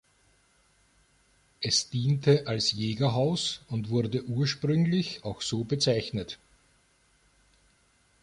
Es diente als Jägerhaus und wurde ursprünglich auch so bezeichnet.